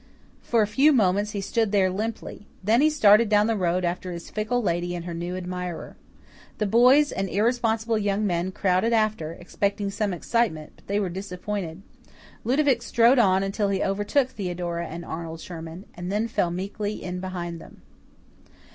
For a few moments he stood there limply; then he started down the road after his fickle lady and her new admirer. The boys and irresponsible young men crowded after, expecting some excitement, but they were disappointed. Ludovic strode on until he overtook Theodora and Arnold Sherman, and then fell meekly in behind them.